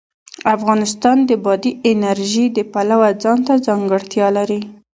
افغانستان د بادي انرژي د پلوه ځانته ځانګړتیا لري.